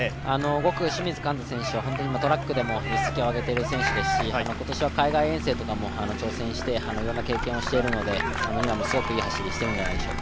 ５区、清水歓太選手はトラックでも実績を上げている選手ですし、今年は海外遠征とかも挑戦していろんな経験をしているので、今もすごくいい走りをしているんじゃないでしょうか。